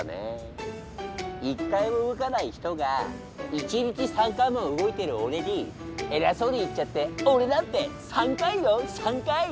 一回も動かない人が一日３回も動いてるオレに偉そうに言っちゃってオレなんて３回よ３回。